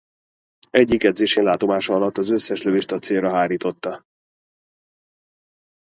Egyik edzésén látomása alatt az összes lövést a célra hárította.